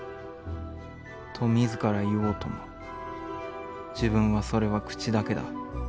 「と自ら云おうとも、自分はそれは口だけだ。